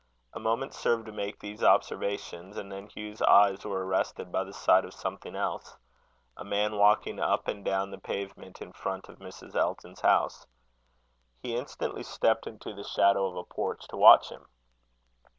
A moment served to make these observations; and then Hugh's eyes were arrested by the sight of something else a man walking up and down the pavement in front of Mrs. Elton's house. He instantly stepped into the shadow of a porch to watch him.